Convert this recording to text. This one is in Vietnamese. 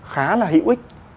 khá là hữu ích